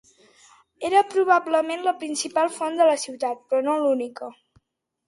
Era probablement la principal font de la ciutat, però no l'única.